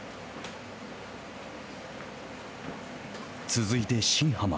続いて新濱。